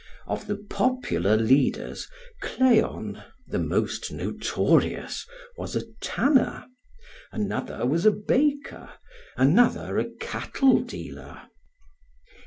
Of the popular leaders, Cleon, the most notorious, was a tanner; another was a baker, another a cattle dealer.